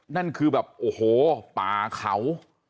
นั่นคือแบบโอ้โหป่าเขา